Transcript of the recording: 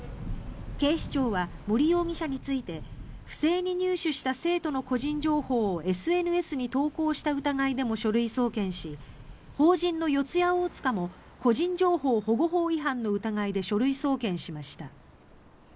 警視庁は、森容疑者について不正に入手した生徒の個人情報をＳＮＳに投稿した疑いでも書類送検し法人の四谷大塚も個人情報保護法違反の疑いで書類送検しました。